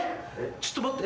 ちっと待って。